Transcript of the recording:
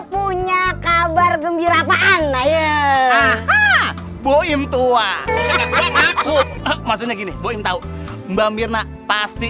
punya kabar gembira apaan ayo ah boim tua maksudnya gini boim tahu mbak mirna pasti